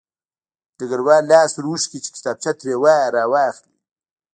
ډګروال لاس ور اوږد کړ چې کتابچه ترې راواخلي